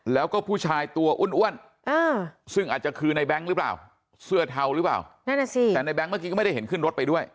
แล้วก็ผู้ชายตัวอ้วนซึ่งอาจจะคือในแบงค์หรือเปล่าเสื้อเทาหรือเปล่านั่นน่ะสิแต่ในแง๊งเมื่อกี้ก็ไม่ได้เห็นขึ้นรถไปด้วย